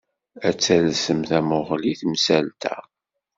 Ad talsem tamuɣli i temsalt-a.